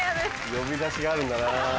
呼び出しがあるんだな。